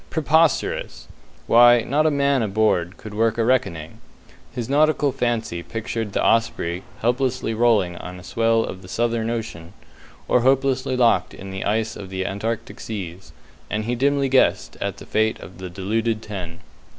Preposterous; why, not a man aboard could work a reckoning! His nautical fancy pictured the Osprey helplessly rolling on the swell of the Southern Ocean, or hopelessly locked in the ice of the Antarctic Seas, and he dimly guessed at the fate of the deluded ten.